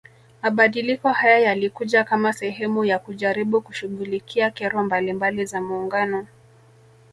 Mabadiliko haya yalikuja kama sehemu ya kujaribu kushughulikia kero mbalimbali za muungano